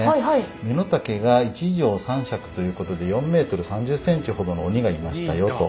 身の丈が一丈三尺ということで４ｍ３０ｃｍほどの鬼がいましたよと。